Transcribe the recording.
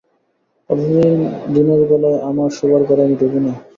কতদিন দিনের বেলায় আমার শোবার ঘরে আমি ঢুকি নি।